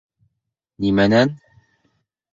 Нимәнән